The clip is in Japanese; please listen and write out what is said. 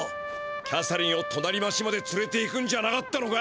キャサリンをとなり町までつれていくんじゃなかったのか？